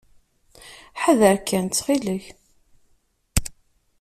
Ḥader kan, ttxil-k.